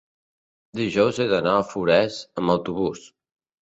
dijous he d'anar a Forès amb autobús.